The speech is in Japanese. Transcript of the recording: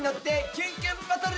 キュンキュンバトル！」